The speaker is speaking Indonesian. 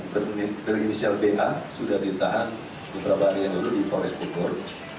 dan berinisial ba sudah ditahan beberapa hari yang lalu di polis bogor